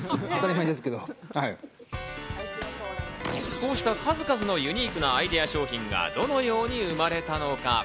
こうした数々のユニークなアイデア商品がどのように生まれたのか。